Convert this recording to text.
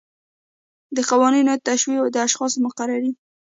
د قوانینو توشیح او د اشخاصو مقرري.